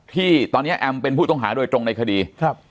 ที่ตอนนี้แอมเป็นผู้ต้องหาโดยตรงในคดีครับ